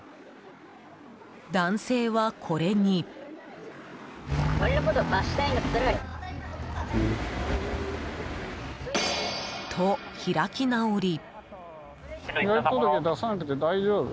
男性はこれに。と、開き直り。